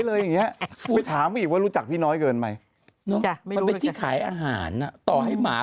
เออเชนะละง่ายอ่ะ